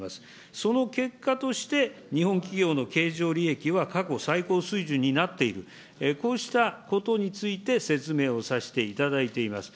その結果として、日本企業の経常利益は過去最高水準になっている、こうしたことについて説明をさせていただいています。